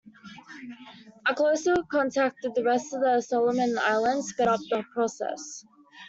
A closer contact with the rest of the Solomon Islands sped up the process.